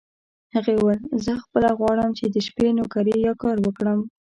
هغې وویل: زه خپله غواړم چې د شپې نوکري یا کار وکړم.